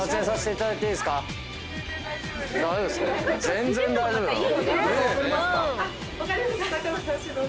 全然大丈夫なの？